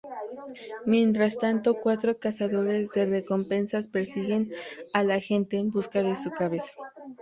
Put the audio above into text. Mientras tanto, cuatro cazadores de recompensas persiguen al agente en busca de su cabeza.